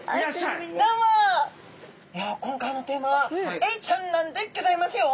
いや今回のテーマはエイちゃんなんでギョざいますよ。